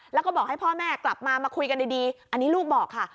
แล้วก็บอกให้พ่อแม่กลับมามาคุยกันดีอันนี้ลูกบอกค่ะ